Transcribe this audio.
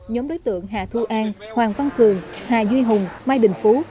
nhóm đối tượng hà thu an hoàng văn cường hà duy hùng mai đình phú